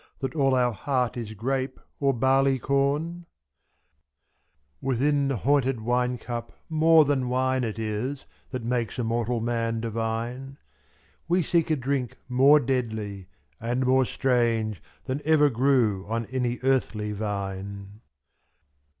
That all our heart is grape or barley corn ? Within the haunted wine cup more than wine It is that makes a mortal man divine, ?• We seek a drink more deadly and more strange Than ever grew on any earthly vine.